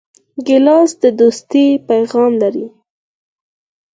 ګیلاس د دوستۍ پیغام لري.